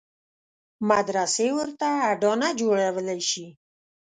مدرسې ورته اډانه جوړولای شي.